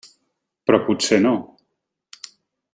Però potser no.